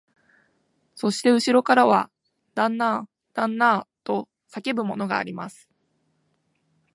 そしてうしろからは、旦那あ、旦那あ、と叫ぶものがあります